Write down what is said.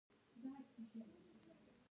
پورشاپور، آراکوزیا